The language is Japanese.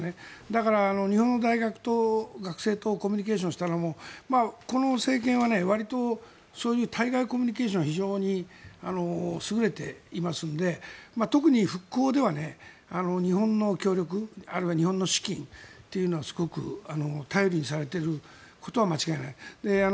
だから、日本の大学の学生とコミュニケーションしたのもこの政権は、わりとそういう対外コミュニケーションは非常に優れていますので特に復興では日本の協力あるいは日本の資金というのはすごく頼りにされていることは間違いない。